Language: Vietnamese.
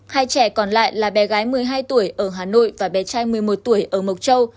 hai trẻ còn lại là bé gái một mươi hai tuổi ở hà nội và bé trai một mươi một tuổi ở mộc châu